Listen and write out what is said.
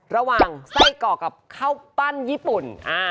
ระหว่างไส้เกาะกับข้าวปั้นญี่ปุ่น